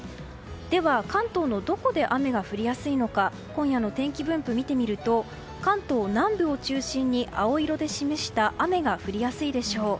関東のどこで雨が降りやすいのか今夜の天気分布を見てみると関東南部を中心に青色で示した雨が降りやすいでしょう。